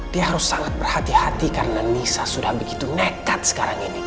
dia harus sangat berhati hati karena nisa sudah begitu nekat sekarang ini